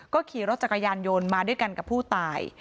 ขี่รถจักรยานยนต์มาด้วยกันกับผู้ตาย